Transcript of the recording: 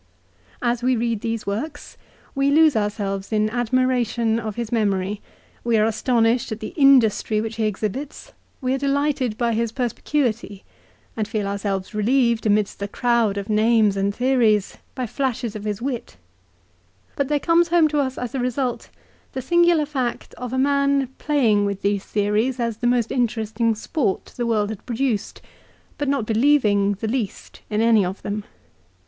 As we read these works 1 De Finibus, lib. iv. 1. CICERO'S PHILOSOPHY. 351 we lose ourselves in admiration of his memory, we are astonished at the industry which he exhibits, we are de lighted by his perspicuity, and feel ourselves relieved amidst the crowd of names and theories by flashes of his wit ; but there comes home to us as a result, the singular fact of a man playing with these theories as the most interesting sport the world had produced, but not believing the least in any of them.